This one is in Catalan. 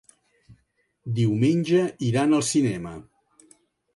Diumenge iran al cinema.